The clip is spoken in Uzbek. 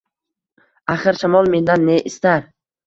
Axir, shamol mendan ne istar